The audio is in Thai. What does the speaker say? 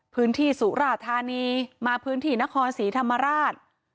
พื้นที่สุราธานีมาพื้นที่นครสีธรรมราช